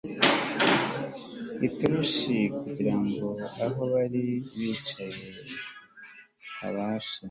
itoroshi kugira ngo aho bari bicaye habashe